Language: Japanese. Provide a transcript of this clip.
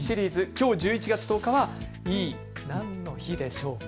きょう１１月１０日はいい何の日でしょうか。